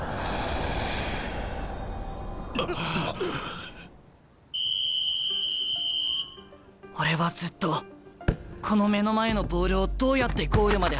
心の声俺はずっとこの目の前のボールをどうやってゴールまで運ぶか